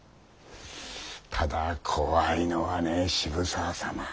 ただ怖いのはね渋沢様。